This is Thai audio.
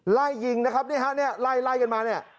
ไล่ยิงนะครับไล่กันมานี่